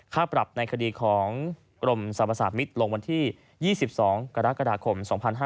ค่าปรับในคดีของกรมสรรพสามิตรลงวันที่๒๒กรกฎาคม๒๕๕๙